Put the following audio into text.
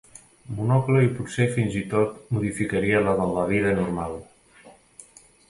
Monocle i potser fins i tot modificaria la de La Vida normal.